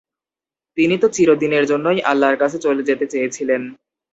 তিনি তো চিরদিনের জন্যই ‘আল্লা’র কাছে চলে যেতে চেয়েছিলেন।